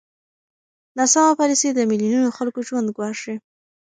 ناسمه پالېسي د میلیونونو خلکو ژوند ګواښي.